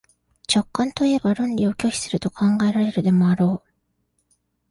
直観といえば論理を拒否すると考えられるでもあろう。